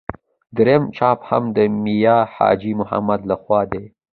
درېیم چاپ هم د میا حاجي محمد له خوا دی.